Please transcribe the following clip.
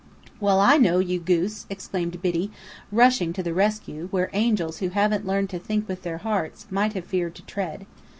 "Well, I know, you goose!" exclaimed Biddy, rushing to the rescue, where angels who haven't learned to think with their hearts might have feared to tread.